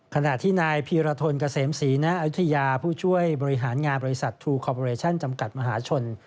ขณะที่นายพีรทนเกษมศรีณอายุทยาผู้ช่วยบริหารงานบริษัททรูคอปเรชั่นจำกัดมหาชน